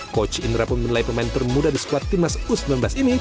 coach indra pun menilai pemain termuda di skuad tim nasional u sembilan belas ini